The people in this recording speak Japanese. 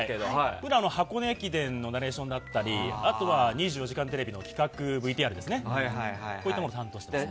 普段、箱根駅伝のナレーションだったりあとは「２４時間テレビ」の企画ＶＴＲを担当しています。